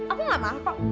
aku gak marah pak